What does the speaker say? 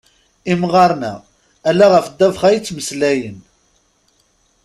Imɣaren-a ala ɣef ddabex ay ttmeslayen.